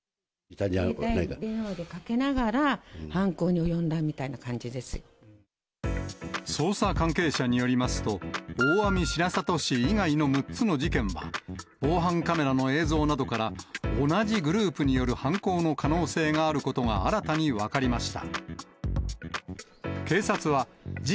携帯電話をかけながら、捜査関係者によりますと、大網白里市以外の６つの事件は、防犯カメラの映像などから同じグループによる犯行に可能性があることが新たに分かりました。